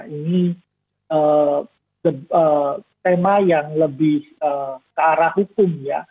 ini tema yang lebih ke arah hukum ya